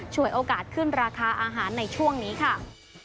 โอกาสขึ้นราคาอาหารในช่วงนี้ค่ะ